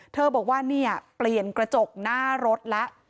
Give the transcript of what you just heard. เธอบอกว่าเนี่ยเปลี่ยนกระจกหน้ารถแล้ว